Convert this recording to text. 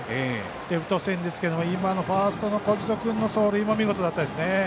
レフト線ですけれども今のファーストの小木曽君の走塁も見事でした。